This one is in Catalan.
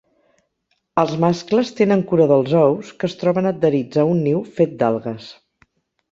Els mascles tenen cura dels ous que es troben adherits a un niu fet d'algues.